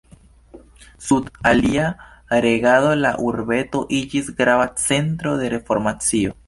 Sub ilia regado la urbeto iĝis grava centro de reformacio.